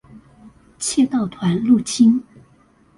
竊盜團入侵